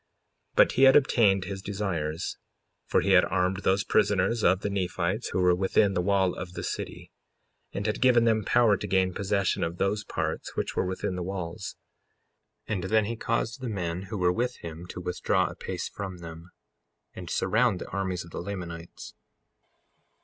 55:20 But he had obtained his desires; for he had armed those prisoners of the Nephites who were within the wall of the city, and had given them power to gain possession of those parts which were within the walls. 55:21 And then he caused the men who were with him to withdraw a pace from them, and surround the armies of the Lamanites.